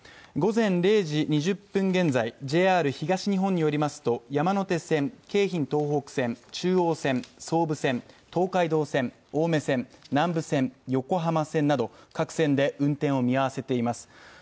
午前０時２０分現在、ＪＲ東日本によりますと、山手線、京浜東北線、中央線、総武線、東海道線、青梅線、南武線、横浜線など各線で運転を見合わせています。